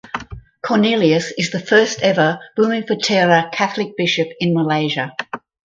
Cornelius is the first ever bumiputera Catholic bishop in Malaysia.